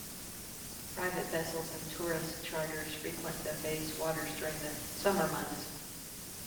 Private vessels and tourist charters frequent the bay's waters during the summer months.